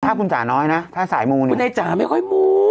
ถ้าคุณจ๋าน้อยนะถ้าสายมูลคุณไอ้จ๋าไม่ค่อยมู